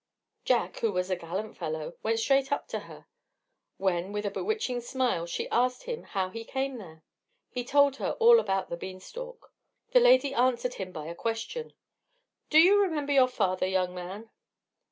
Jack, who was a gallant fellow, went straight up to her; when, with a bewitching smile, she asked him how he came there. He told her all about the bean stalk. The lady answered him by a question, "Do you remember your father, young man?"